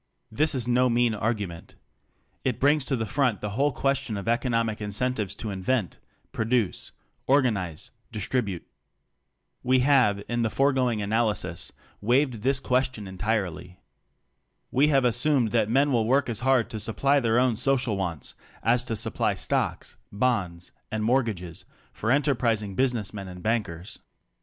This is no mean argument. It brings to the front the whole question of economic incentives to invent, produce, organize, distribute. We have, in the foregoing analysis, 26 wa ved this question entirely. We have assumed that men vnll work as hard to supply their own social wants as to supply stocks bonds and mortgages for enterprising busi ness men and bankers.